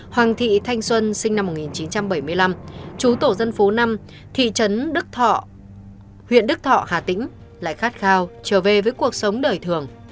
hoàng thị thanh xuân sinh năm một nghìn chín trăm bảy mươi năm chú tổ dân phố năm thị trấn đức thọ huyện đức thọ hà tĩnh lại khát khao trở về với cuộc sống đời thường